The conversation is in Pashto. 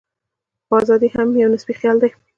خو ازادي هم یو نسبي خیال دی.